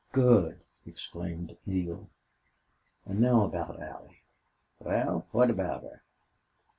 "Good!" exclaimed Neale. "And now about Allie." "Wal, what about her?"